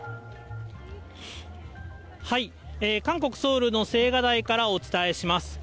韓国・ソウルの青瓦台からお伝えします。